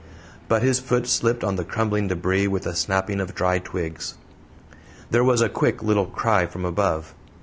But his foot slipped on the crumbling debris with a snapping of dry twigs. There was a quick little cry from above.